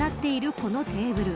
このテーブル。